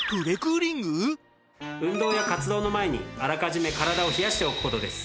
運動や活動の前にあらかじめ体を冷やしておく事です。